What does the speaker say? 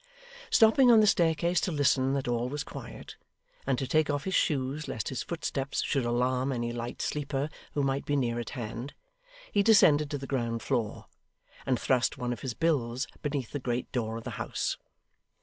Stopping on the staircase to listen that all was quiet, and to take off his shoes lest his footsteps should alarm any light sleeper who might be near at hand, he descended to the ground floor, and thrust one of his bills beneath the great door of the house.